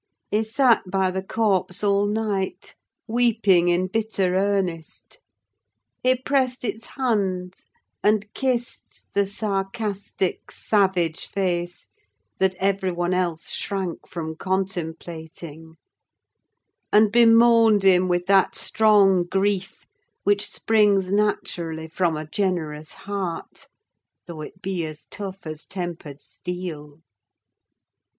He sat by the corpse all night, weeping in bitter earnest. He pressed its hand, and kissed the sarcastic, savage face that every one else shrank from contemplating; and bemoaned him with that strong grief which springs naturally from a generous heart, though it be tough as tempered steel.